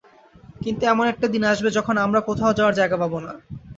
কিন্তু এমন একটা দিন আসবে যখন আমরা কোথাও যাওয়ার জায়গা পাব না।